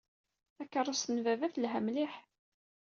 Takeṛṛust n baba telha mliḥ.